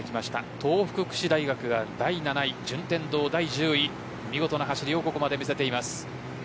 東北福祉大学は第７位順天堂は第１０位見事な走りをここまで見せています。